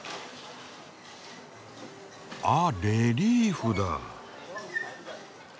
あっレリーフだ。